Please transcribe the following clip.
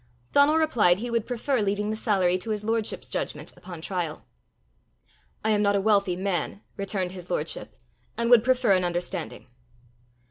Donal replied he would prefer leaving the salary to his lordship's judgment upon trial. "I am not a wealthy man," returned his lordship, "and would prefer an understanding."